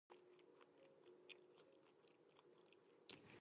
こんにちは私はベイマックス